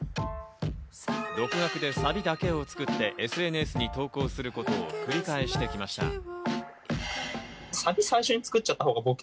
独学でサビだけを作ってＳＮＳに投稿することを繰り返してきました。